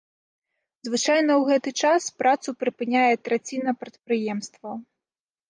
Звычайна ў гэты час працу прыпыняе траціна прадпрыемстваў.